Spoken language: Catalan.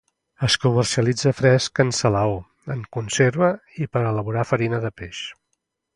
Es comercialitza fresc, en salaó, en conserva i per a elaborar farina de peix.